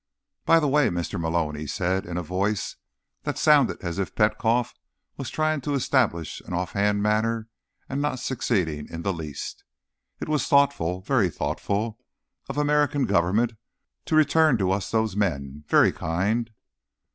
"By the way, Mr. Malone," he said, in a voice that sounded as if Petkoff were trying to establish an offhand manner, and not succeeding in the least. "It was thoughtful, very thoughtful, of American government, to return to us those men. Very kind."